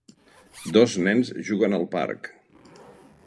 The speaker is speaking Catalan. Dos nens juguen al parc.